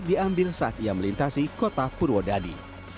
diambil saat ia melintasi kota purwodadi